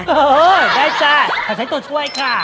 เออได้จ้ะแต่ใช้ตัวช่วยค่ะ